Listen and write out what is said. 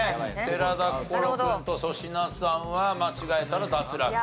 寺田心君と粗品さんは間違えたら脱落と。